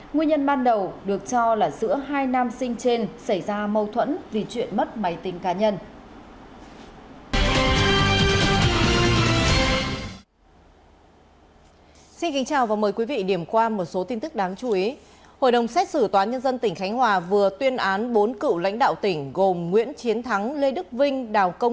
nguyên nhân ban đầu được cho là giữa hai nam sinh trên xảy ra mâu thuẫn vì chuyện mất máy tính cá nhân